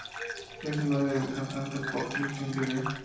Es madre del cantante pop Justin Bieber.